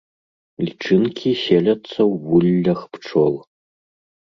Лічынкі селяцца ў вуллях пчол.